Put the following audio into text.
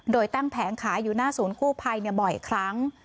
โดยตั้งแผงขายอยู่หน้าศูนย์กู้ภัยบ่อยครั้ง